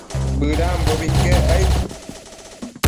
Bëdambobi iquec aid